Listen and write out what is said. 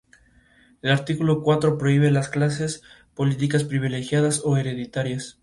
El artículo cuatro prohíbe las clases políticas privilegiadas o hereditarias.